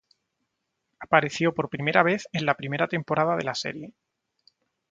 Apareció por primera vez en la primera temporada de la serie.